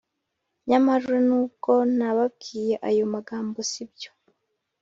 Nyamara nubwo nababwiye ayo magambo si byo